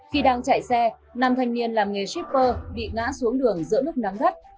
khi đang chạy xe năm thanh niên làm nghề shipper bị ngã xuống đường giữa nước nắng gắt